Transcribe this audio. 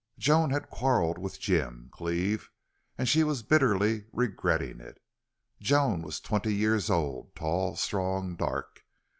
Joan had quarreled with Jim Cleve, and she was bitterly regretting it. Joan was twenty years old, tall, strong, dark.